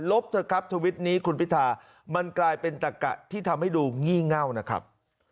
เถอะครับทวิตนี้คุณพิธามันกลายเป็นตะกะที่ทำให้ดูงี่เง่านะครับ